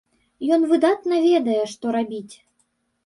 Ён выдатна ведае, што рабіць.